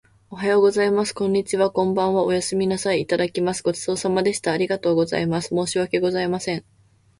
おはようございます。こんにちは。こんばんは。おやすみなさい。いただきます。ごちそうさまでした。ありがとうございます。申し訳ございません。